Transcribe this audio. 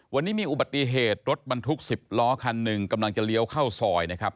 วันนี้มีอุบัติเหตุรถบรรทุก๑๐ล้อคันหนึ่งกำลังจะเลี้ยวเข้าซอยนะครับ